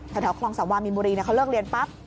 ถ้าเท่าครองสัพวามิลบุรีปั๊บ